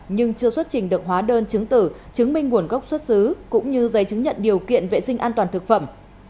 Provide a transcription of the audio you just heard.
nhưng chưa xuất trình được hóa đơn chứng tử chứng minh nguồn gốc xuất xứ cũng như giấy chứng nhận điều kiện vệ sinh an toàn thực phẩm